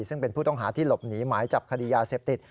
ซึ่งเป็นผู้ต้องหาที่หลบหนีหมายจับคดียาเสพติด